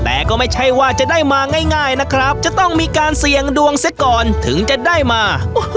แต่ก็ไม่ใช่ว่าจะได้มาง่ายนะครับจะต้องมีการเสี่ยงดวงเสียก่อนถึงจะได้มา